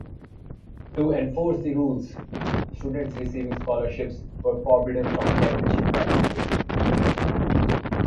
To enforce the rules, students receiving scholarships were forbidden from championship participation.